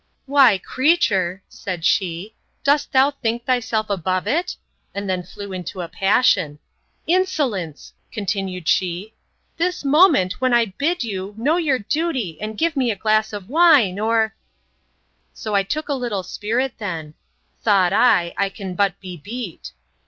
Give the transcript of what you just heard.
—Why, creature, said she, dost thou think thyself above it?—And then flew into a passion:—Insolence! continued she, this moment, when I bid you, know your duty, and give me a glass of wine; or— So I took a little spirit then—Thought I, I can but be beat.